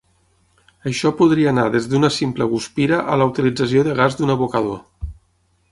Això podria anar des d'una simple guspira a la utilització de gas d'un abocador.